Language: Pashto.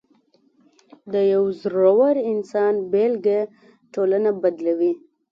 د یو زړور انسان بېلګه ټولنه بدلوي.